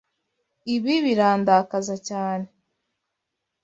Ibi birandakaza cyane.